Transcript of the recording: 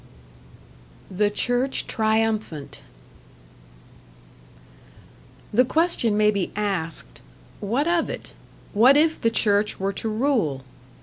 #The Church Triumphant# The question may be asked, What of it? What if the Church were to rule?